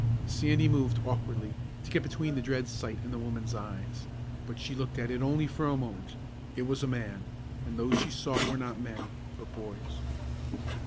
Sandy moved, awkwardly, to get between the dread sight and the woman's eyes. But she looked at it only for a moment. It was a man; and those she sought were not men, but boys.